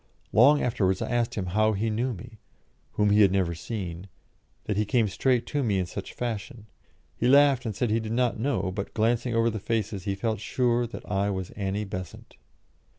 Long afterwards I asked him how he knew me, whom he had never seen, that he came straight to me in such fashion. He laughed and said he did not know, but, glancing over the faces, he felt sure that I was Annie Besant.